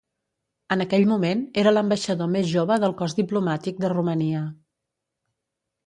En aquell moment, era l'ambaixador més jove del cos diplomàtic de Romania.